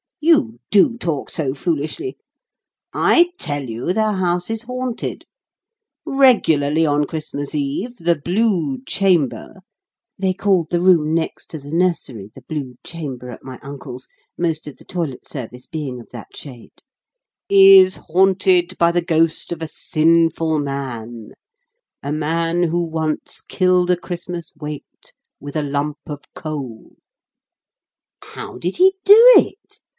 "You do talk so foolishly. I tell you the house is haunted. Regularly on Christmas Eve the Blue Chamber [they called the room next to the nursery the 'blue chamber,' at my uncle's, most of the toilet service being of that shade] is haunted by the ghost of a sinful man a man who once killed a Christmas wait with a lump of coal." "How did he do it?"